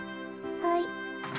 はい。